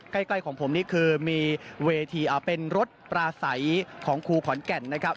ใกล้ของผมนี่คือมีเวทีเป็นรถปลาใสของครูขอนแก่นนะครับ